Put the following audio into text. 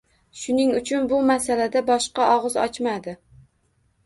Shuning uchun bu masalada boshqa og`iz ochmadi